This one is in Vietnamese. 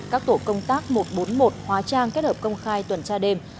các tổ công tác một trăm bốn mươi một hóa trang kết hợp công khai tuần tra đêm